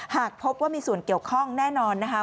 หากพบว่ามีส่วนเกี่ยวข้องแน่นอนนะคะ